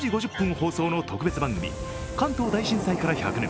放送の特別番組、「関東大震災から１００年